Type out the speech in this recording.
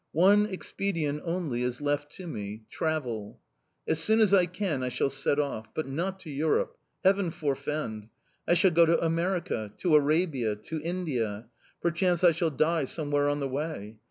One expedient only is left to me travel. "'As soon as I can, I shall set off but not to Europe. Heaven forfend! I shall go to America, to Arabia, to India perchance I shall die somewhere on the way.